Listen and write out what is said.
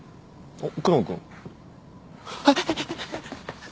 あっ？